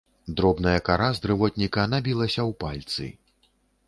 Дробная кара з дрывотніка набілася ў пальцы.